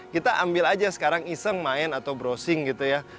kita ambil aja sekarang iseng main atau browsing gitu ya